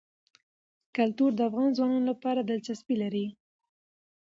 کلتور د افغان ځوانانو لپاره دلچسپي لري.